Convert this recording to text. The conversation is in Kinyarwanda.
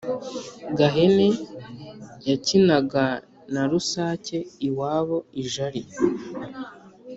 gahene yakinaga na rusake iwabo i jali.